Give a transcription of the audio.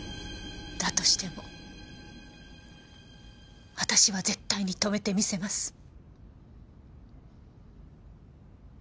だとしても私は絶対に止めてみせます。